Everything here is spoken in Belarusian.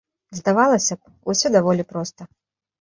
Здавалася б, усё даволі проста.